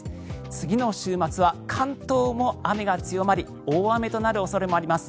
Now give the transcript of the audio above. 次の週末は関東も雨が強まり大雨となる恐れもあります。